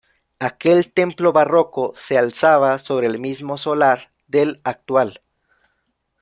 Aquel templo barroco se alzaba sobre el mismo solar del actual.